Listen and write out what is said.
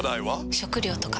食料とか。